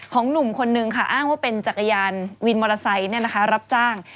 หนุ่มคนนึงค่ะอ้างว่าเป็นจักรยานวินมอเตอร์ไซค์รับจ้าง